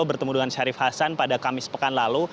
bertemu dengan syarif hasan pada kamis pekan lalu